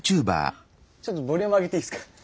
ちょっとボリューム上げていいっすか？